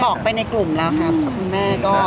ออกไปในกลุ่มแล้วครับคุณแม่ก็